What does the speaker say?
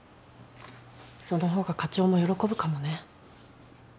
そのほうが課長も喜ぶかもね。